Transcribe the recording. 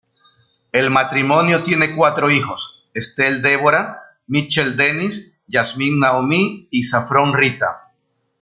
El matrimonio tiene cuatro hijos: Estelle Deborah, Mitchel Dennis, Yasmin Naomi y Saffron Rita.